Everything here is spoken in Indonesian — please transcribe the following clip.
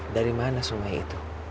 dari mana sungai itu